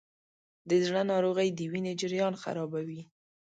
د زړه ناروغۍ د وینې جریان خرابوي.